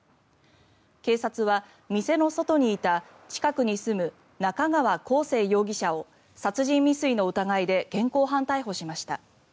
警察は、店の外にいた近くに住む中川晃成容疑者を殺人未遂の疑いで現行犯逮捕しました。